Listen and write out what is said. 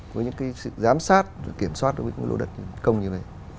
với những cái sự giám sát kiểm soát của những cái lỗ đất công như vậy